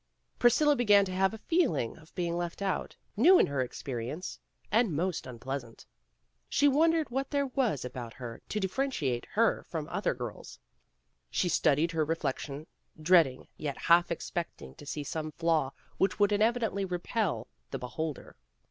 Priscilla began to have a feeling of being left out, new in her ex perience and most unpleasant. She wondered what there was about her to differentiate her from other girls. She studied her reflection, dreading yet half expecting to see some flaw which would inevitably repel the beholder.